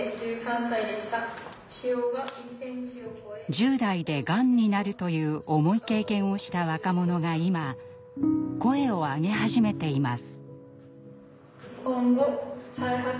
１０代でがんになるという重い経験をした若者が今声を上げ始めています。